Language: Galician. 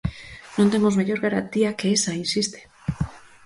"Non temos mellor garantía que esa", insiste.